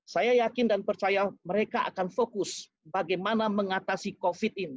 saya yakin dan percaya mereka akan fokus bagaimana mengatasi covid ini